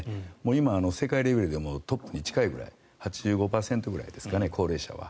今、世界レベルでもトップに近いぐらい８５％ぐらいですかね高齢者は。